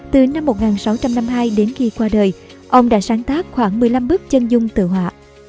từ năm một nghìn sáu trăm năm mươi hai đến khi qua đời ông đã sáng tác khoảng một mươi năm bức chân dung tự họa